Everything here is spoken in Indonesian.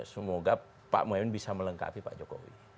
semoga pak mohaimin bisa melengkapi pak jokowi